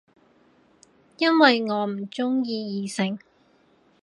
因為我唔鍾意異性